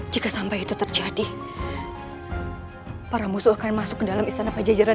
jika sampai itu terjadi para musuh akan masuk ke dalam istana pajajaran